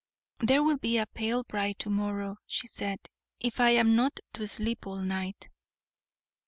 "There will be a pale bride to morrow," she said, "if I am not to sleep all night."